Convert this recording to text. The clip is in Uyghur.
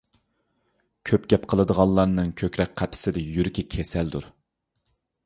كۆپ گەپ قىلىدىغانلارنىڭ كۆكرەك قەپىسىدە يۈرىكى كېسەلدۇر.